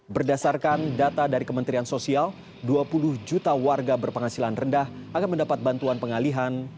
berdasarkan data dari kementerian sosial dua puluh juta warga berpenghasilan rendah akan mendapat bantuan pengalihan